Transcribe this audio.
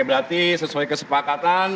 berarti sesuai kesepakatan